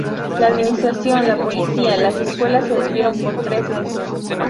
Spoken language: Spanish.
La administración, la policía, las escuelas se detuvieron durante tres meses.